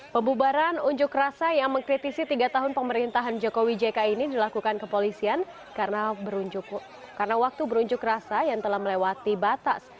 pembubaran unjuk rasa yang mengkritisi tiga tahun pemerintahan jokowi jk ini dilakukan kepolisian karena waktu berunjuk rasa yang telah melewati batas